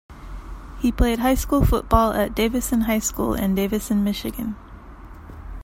He played high school football at Davison High School in Davison, Michigan.